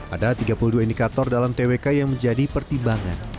ada tiga puluh dua indikator dalam twk yang menjadi pertimbangan